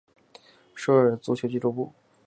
首尔足球俱乐部。